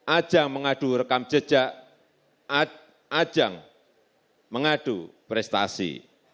ajang mengadu rekam jejak ajang mengadu prestasi